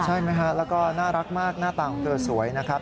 ใช่ไหมฮะแล้วก็น่ารักมากหน้าตาของเธอสวยนะครับ